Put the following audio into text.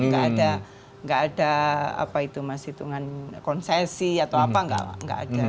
nggak ada apa itu mas hitungan konsesi atau apa nggak ada